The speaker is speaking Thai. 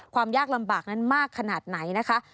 ความยากลำบากนั้นมากขนาดไหนนะคะ